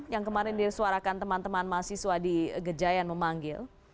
yang kemarin disuarakan teman teman mahasiswa di gejayan memanggil